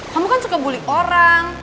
kamu kan suka bully orang